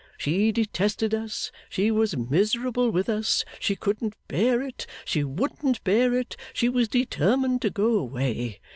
She detested us, she was miserable with us, she couldn't bear it, she wouldn't bear it, she was determined to go away.